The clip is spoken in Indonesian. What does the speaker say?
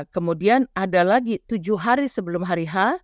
kemudian ada lagi tujuh hari sebelum hari h